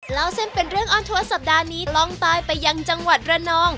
เล่าเส้นเป็นเรื่องออนทัวร์สัปดาห์นี้ต้องตายไปยังจังหวัดระนอง